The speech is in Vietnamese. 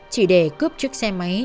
chỉ để cướp chiếc xe máy